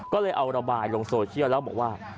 ก็เลยเอาระบายลงโซเชียลแล้วบอกว่า